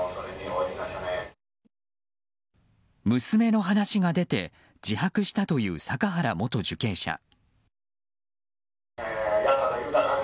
娘の話が出て自白したという阪原元受刑者。